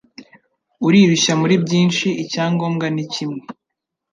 urirushya muri byinshi, icyangombwa ni kimwe.